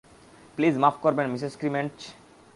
Please, মাফ করবেন, Mrs Krementz.